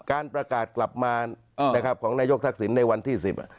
การประกาศกลับมานะครับของนายกทักษิณในวันที่๑๐